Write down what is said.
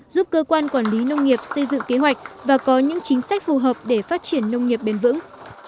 giúp cơ quan quản lý nông nghiệp xây dựng kế hoạch và có những chính sách phù hợp để phát triển nông nghiệp bền vững